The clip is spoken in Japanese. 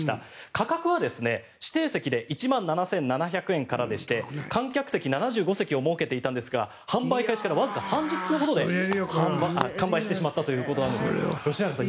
価格は指定席で１万７７００円からでして観客席７５席を設けていたんですが販売開始からわずか３０分ほどで完売してしまったということなんです。